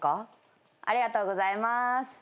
ありがとうございます。